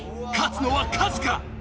勝つのはカズか？